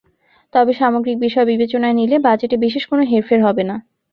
তবে সামগ্রিক বিষয় বিবেচনায় নিলে বাজেটে বিশেষ কোনো হেরফের হবে না।